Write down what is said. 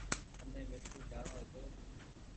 مني ميرپور جآڻو هيتو